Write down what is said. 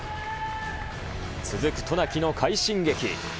続く渡名喜の快進撃。